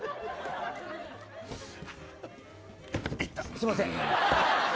すいません。